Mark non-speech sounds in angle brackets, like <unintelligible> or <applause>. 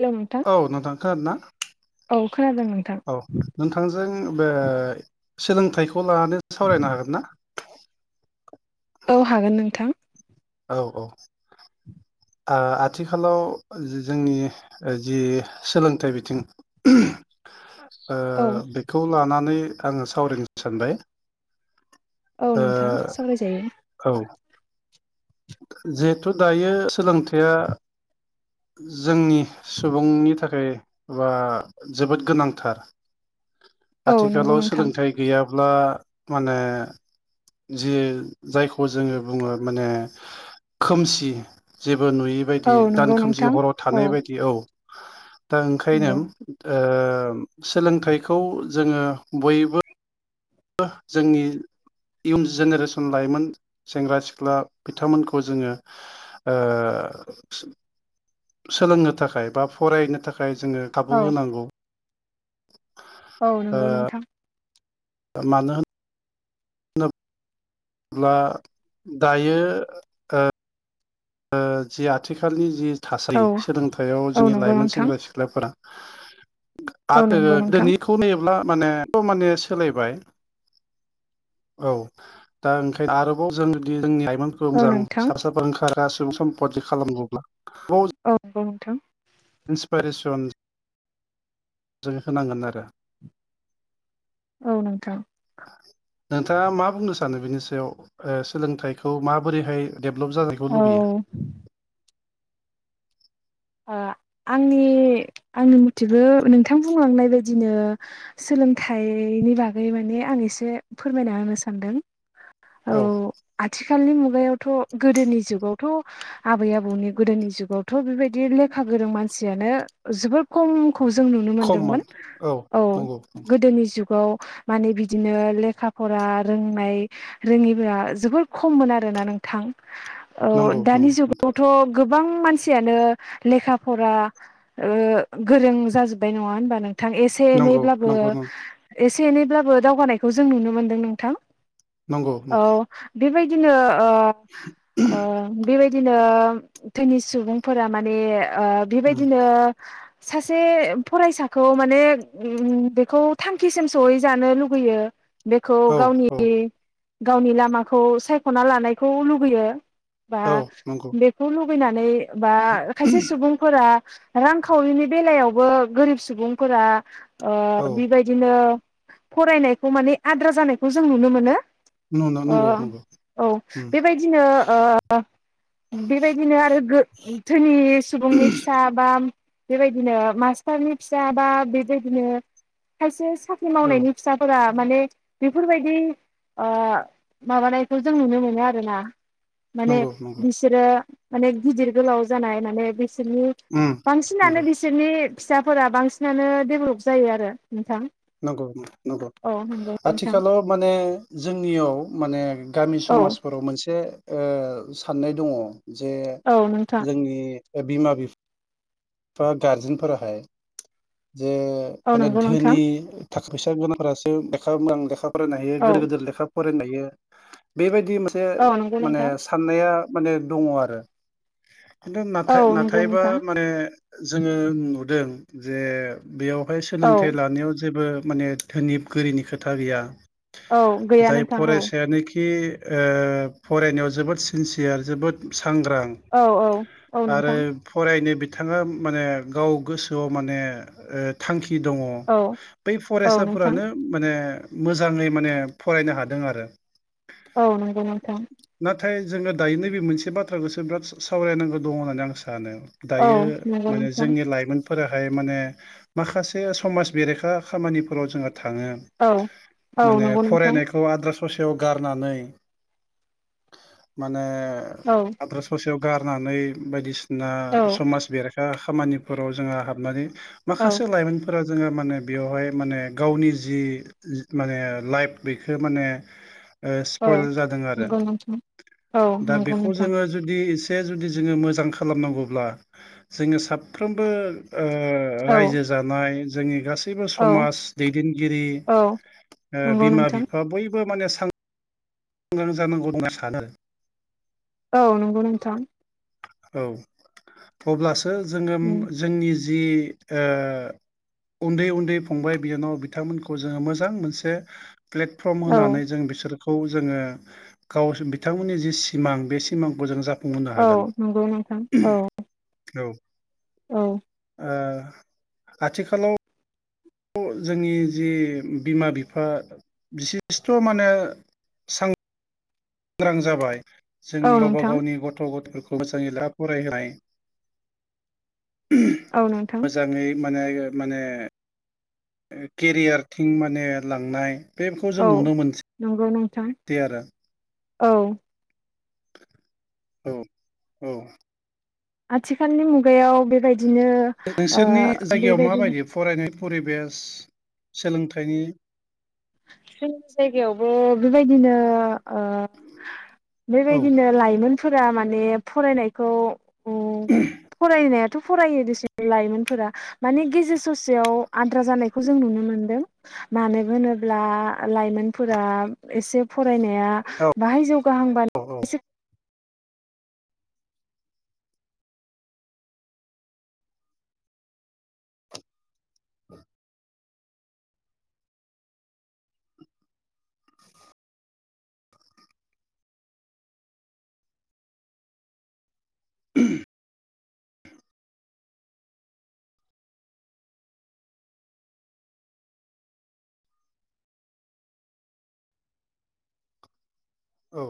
Hello नोंथां औ नोंथां खोनादों ना औ खोनादों नोंथां औ नोंथांजों बे सोलोंथाइखौ लानानै सावरायनो हागोन ना औ हागोन नोंथां औ औ आथिखालाव जोंनि जि सोलोंथाइ बिथिं ओ औ बेखौ लानानै आङो सावरायनो सानबाय औ ओ नोंथां सावरायजायो औ जिहेथु दायो सोलोंथाया जोंनि सुबुंनि थाखाय बा जोबोद गोनांथार औ नंगौ आथिखालाव नोंथां सोलोंथाइ गैया ब्ला माने जि जायखौ जोङो बुङो माने खोमसि जेबो नुयै औ बायदि नंगौ दान नोंथां खोमसि हराव औ थानाय बायदि औ दा ओंखायनो नंगौ ओ सोलोंथाइखौ जोङो बयबो <unintelligible> जोंनि इयुन जेनेरेसन लाइमोन सेंग्रा सिख्ला बिथांमोनखौ जोङो ओ <inaudible> सोलोंनो थाखाय बा फरायनो थाखाय जोङो औ खाबु होनांगौ औ ओ नंगौ नोंथां मानो होन ब्ला दायो ओ ओ जि आथिखालनि जि थासारि औ सोलोंथाइयाव औ जोंनि नंगौ लाइमोन नोंथां सेंग्रा सिख्लाफोरा <inaudible> औ नंगौ नोंथां मा माने <unintelligible> माने सोलायबाय औ दा ओंखायनो आरोबाव जों <unintelligible> जोंनि <unintelligible> औ नोंथां ओंखारा सुबुं <unintelligible> खालामगौब्ला आरोबाव औ नोंगौ नोंथां स्पाइरेसन जों होनांगोन आरो औ नोंथां नोंथाङा मा बुंनो सानो बेनि सा याव ओह सोलोंथाइखौ माबोरैहाय डेभेलप जानायखौ औ लुबैयो ओह आंनि आंनि मुथिबो नोंथां बुंलांनाय बायदिनो सोलोंथाइ नि बागै माने आं एसे फोरमायना होनो सानदों औ आथि खालनि मुगायावथ' गोदोनि जुगावथ' आबै आबौनि गोदोनि जुगावथ' बेबायद दि लेखा गोरों मानसियानो जोबोर खम खौ जों नुनो खममोन मोनदोंमोन। औ गोदोनि जुगाव माने बिदिनो लेखा फरा रोंनाय रोङिबोआ जोबोर खममोन आरोना नोंथां। औ नंगौ दानि नंगौ जुगावथ' गोबां मानसियानो लेखा फरा ओ गोरों जाजोब्बाय नङा होनबा नों थां एसे नंगौ एनैब्लाबो नंगौ एसे एनैब्लाबो दावगानायखौ जों नुनो मोनदों नोंथां। नंगौ औ नोंथां। बेबायदिनो ओ ओ बेबायदिनो धोनि सुबुंफोरा माने ओ बेबायदिनो सासे फरायसाखौ माने उम बेखौ थांखिसिम सौहै जानो लुगैयो। बेखौ औ गावनि औ गावनि लामाखौ सायख'ना लानायखौ लुुबैयो। बा औ नंगौ बेखौ लुबैनानै बा खायसे सुबुंफोरा बा रांखावरिनि बेलायावबो गोरिब सुबुंफोरा ओह औ बेबायदिनो फरायनायखौ माने आद्रा जानायखौ जों नुनो मोनो। नंगौ नंगौ अ' नंगौ औ बेबायदिनो ओ बेबायदिनो आरो गो धोनि सुबुंनि फिसा बा बेबायदिनो मास्टारनि फिसा बा बेबायदिनो खायसे साख्रि औ मावनायनि फिसाफोरा माने बेफोरबायदि आ माबानायखौ जों नुनो मोनो आरोना। माने नंगौ नंगौ बिसोरो माने गिदिर गोलाव जानाय माने बिस सोरनि बांसिनानो नंगौ बिसोरनि फिसाफोरा बांसिनानो डेभलप जायो आरो। नोंथां नंगौ नोंथां नंगौ। औ नंगौ नोंथां आथिखालाव माने जोंनियाव माने गामि औ समाजफोराव मोनसे ओ साननाय दङ। जे औ नोंथां जोंनि ओह बिमा बिफ फा गारजेनफोराहाय जे औ माने नंगौ धोनि नोंथां थाखा फैसा गोनांफोरासो लेखा मोजां लेखा फरायनो हायो। औ गोदोर गोदोर लेखा फरायनो हायो। बेबायदि मोनसे औ नंगौ माने नोंथां साननाया माने दङ आरो खिन्थु औ नंगौ नाथाय-नाथायबा नोंथां माने जोङो नुदों जे बेयावहाय औ सोलोंथाइ लानायाव जेबो माने धोनिब गोरिनि खोथा गैया। औ गैया जाय नोंथां औ फरायसायानोखि ओ फरायनायाव जोबोद सिनसियार जोबोद सांग्रां औ औ आरो नोंथां फरायनो बिथाङा माने गाव गोसोआव माने ओ थांखि दङ। औ बै औ नोंथां फरायसाफोरानो माने मोजाङै माने फरायनो हादों आरो। औ नंगौ नोंथां। थै जोङो दायो नैबे मोनसे बाथ्राखौसो बिराद सा-सावरायनांगौ दङो होननानै आं सा सानो। औ दायो नंगौ माने नोंथां जोंनि लाइमोन फोराहाय माने माखासे समाज बेरेखा खामानिफोराव जोङो थाङो औ औ माने नंगौ नोंथां फरायनायखौ आद्रा स ससेयाव गारनानै माने औ आद्रा ससेयाव गारनानै बायदिसिना औ समाज बेरेखा खामानिफोराव जोङो हाबनानै औ माखासे लाइमोनफोरा जोङो माने बेयावहाय माने गावनि जि माने लाइफ बेखो माने ओ औ सिफयल जादों आरो। नंगौ नोंथां औ दा नंगौ बेखौ नोंथां जोङो जुदि जे जुदि जोङो मोजां खालामनांगौब्ला जोङो साफ्रोमबो ओ औ रायजो जानाय जोंनि गास सैबो औ समाज दैदेनगिरि औ ओ नंगौ बिमा नोंथां बिफा बयबो माने सां ग्रां जानांगौ होनना सानो। औ नंगौ नोंथां। औ अब्लासो जोङो उम जोंनि जिओ उन्दै उन्दै फंबाय बिनानाव बिथांमोनखौ जोङो मोजां मोनसे प्लेटफर्म औ होनानै जों बिसोरखौ जोङो गाव बिथांमोननि जि सिमां बे सिमांखौ जों जाफुं बुंहो औ हागोन नंगौ नोंथां औ औ ओ औ । आथिखालाव जोंनि जि बिमा बिफा बिसेस्थ' माने सां सांग्रां जाबाय जों औ गावबा नोंथां गावनि गथ' गथायफोरखौ <unintelligible> फरायनाय औ नोंथां मोजाङै माने माने केरियारथिं माने लांनाय बेखौ जों औ नुनो मोनसै नंगौ नोंथां तयारा औ । औ औ । आथिखालनि मुगायाव बेबायदिनो नोंसोरनि जायगायाव बेबायदिनो माबायदि फरायनाय परिबेस सोलोंथाइनि जोंनि जायगायावबो बेबायदिनो औ बेबायदिनो लाायोममोन फोर माने फरायनायखौ फरायनाय फरायो दस लाइमोनफोरा माने गेजेर ससेयाव आद्रा जानायखौ जों नुनो मोनदों। मानो होनोब्ला लाइमोनफोरा एसे फरायनाया औ बाहाय औ जौगाहांबानो <inaudible> <inaudible> औ